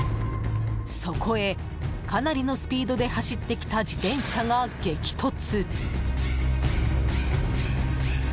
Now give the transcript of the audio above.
そこへ、かなりのスピードで走ってきた自転車が、激突。